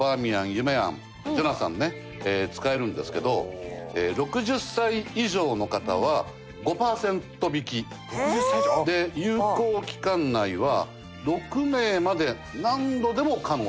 夢庵ジョナサンね使えるんですけど６０歳以上の方は５パーセント引き。で有効期間内は６名まで何度でも可能と。